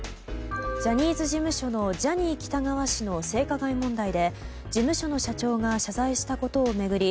ジャニーズ事務所のジャニー喜多川氏の性加害問題で事務所の社長が謝罪したことを巡り